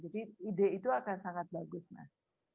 ide itu akan sangat bagus mas